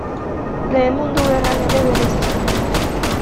Lehen Mundu Gerran ere bereizi zen.